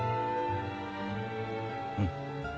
うん。